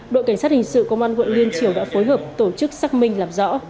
đội cảnh sát hình sự công an quận liên triều đã phối hợp tổ chức xác minh làm rõ